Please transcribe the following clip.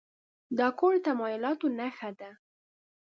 دا کور د تمایلاتو نښه ده.